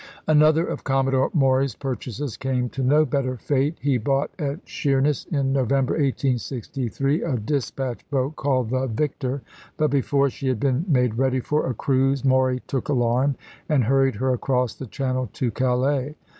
Another of Commodore Maury's purchases came to no better fate. He bought at Sheerness, in No vember, 1863, a dispatch boat called the Victor, but before she had been made ready for a cruise, Maury took alarm and hurried her across the Chan nel to Calais.